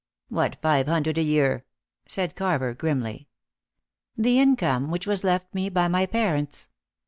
"What five hundred a year?" said Carver grimly. "The income which was left me by my parents."